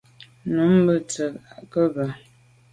Nummbe ntse ke’ be.